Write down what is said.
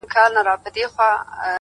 په درد آباد کي!! ویر د جانان دی!!